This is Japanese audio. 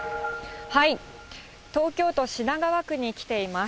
東京都品川区に来ています。